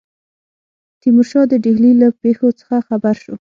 تیمورشاه د ډهلي له پیښو څخه خبر شو.